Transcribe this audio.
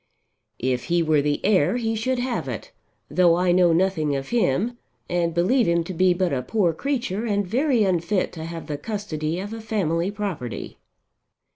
"If he were the heir he should have it, though I know nothing of him and believe him to be but a poor creature and very unfit to have the custody of a family property."